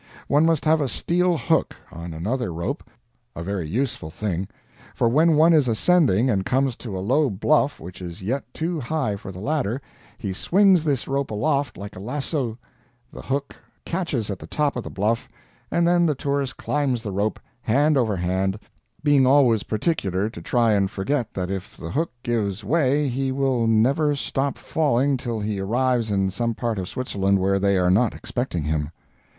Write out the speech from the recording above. One must have a steel hook, on another rope a very useful thing; for when one is ascending and comes to a low bluff which is yet too high for the ladder, he swings this rope aloft like a lasso, the hook catches at the top of the bluff, and then the tourist climbs the rope, hand over hand being always particular to try and forget that if the hook gives way he will never stop falling till he arrives in some part of Switzerland where they are not expecting him.